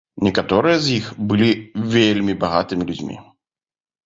Некаторыя з іх былі вельмі багатымі людзьмі.